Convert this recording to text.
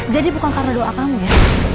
jadi bukan karena doa kamu ya